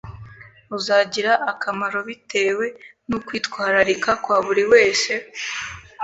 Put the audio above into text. uzagira akamaro bitewe n’ukwitwararika kwa buri wese,